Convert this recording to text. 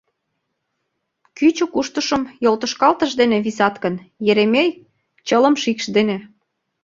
Кӱчык уштышым йолтошкалтыш дене висат гын, Еремей — чылым шикш дене.